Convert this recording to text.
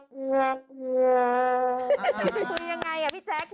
คุยยังไงพี่แจ๊ค